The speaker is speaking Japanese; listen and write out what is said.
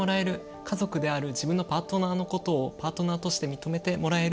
家族である自分のパートナーをパートナーとして認めてもらえる。